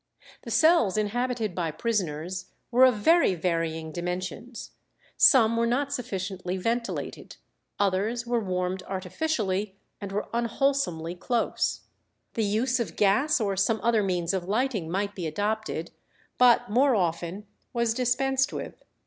The cells inhabited by prisoners were of very varying dimensions; some were not sufficiently ventilated, others were warmed artificially, and were unwholesomely close. The use of gas or some other means of lighting might be adopted, but more often was dispensed with.